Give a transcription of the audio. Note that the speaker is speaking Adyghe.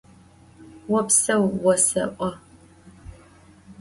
Vopseu vose'o!